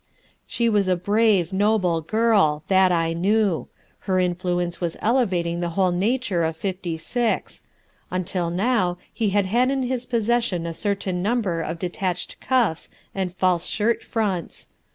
She was a brave noble girl, that I knew; her influence was elevating the whole nature of Fifty Six; until now he had had in his possession a certain number of detached cuffs and false shirt fronts.